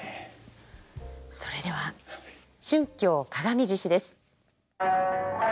それでは「春興鏡獅子」です。